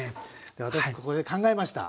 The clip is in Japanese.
私ここで考えました。